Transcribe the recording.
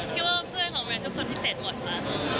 คิดว่าเพื่อนของเมริกาทุกคนพิเศษหมดละ